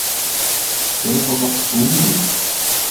— Кәләш алғас күңеллеме?